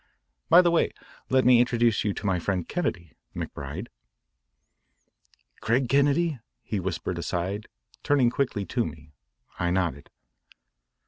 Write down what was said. "By the way, let me introduce you to my friend Kennedy, McBride." "Craig Kennedy?" he whispered aside, turning quickly to me. I nodded.